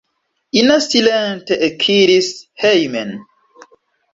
Ina silente ekiris hejmen.